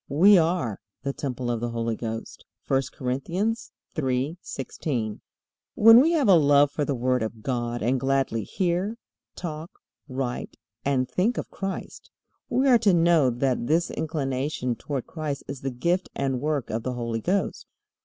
We are "the temple of the Holy Ghost." (I Cor. 3:16.) When we have a love for the Word of God, and gladly hear, talk, write, and think of Christ, we are to know that this inclination toward Christ is the gift and work of the Holy Ghost.